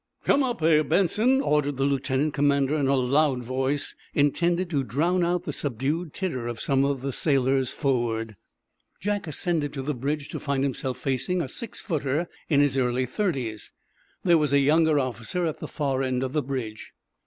"Come up here, Benson," ordered the lieutenant commander, in a loud voice intended to drown out the subdued titter of some of the sailors forward. Jack ascended to the bridge, to find himself facing a six footer in his early thirties. There was a younger officer at the far end of the bridge.